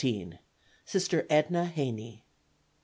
Sister Edna Heney.